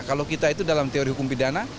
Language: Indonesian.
kalau kita itu dalam teori hukum pidana